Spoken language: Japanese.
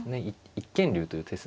一間竜という手筋。